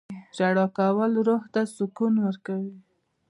• ژړا کول روح ته سکون ورکوي.